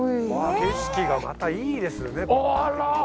景色がまたいいですね。